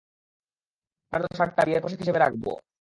আপনার দেয়া শার্টটা বিয়ের পোশাক হিসেবে রাখবো।